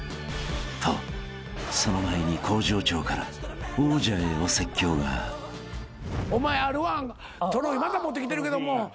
［とその前に向上長から王者へお説教が］お前Ｒ−１トロフィーまた持ってきてるけども。